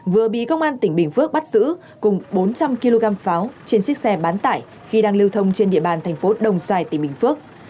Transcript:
vừa bị công an tỉnh bình phước bắt giữ cùng bốn trăm linh kg pháo trên xích xe bán tải khi đang lưu thông trên địa bàn thành phố đồng xoài tỉnh bình phước